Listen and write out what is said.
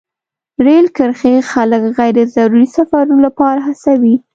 رېل کرښې خلک غیر ضروري سفرونو لپاره هڅوي.